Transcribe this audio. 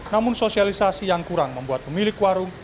namun sosialisasi yang kurang membuat pemilik warung